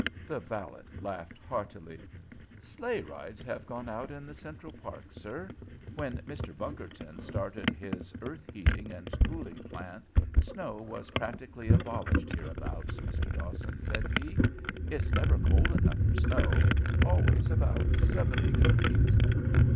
The valet laughed heartily. "Sleigh rides have gone out in the Central Park, sir. When Mr. Bunkerton started his earth heating and cooling plant snow was practically abolished hereabouts, Mr. Dawson," said he. "It's never cold enough for snow always about seventy degrees."